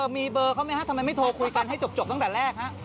มีเบอร์เขาไหมฮะทำไมไม่โทรคุยกันให้จบตั้งแต่แรกฮะ